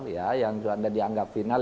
ya yang dianggap final